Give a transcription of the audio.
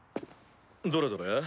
どれどれ？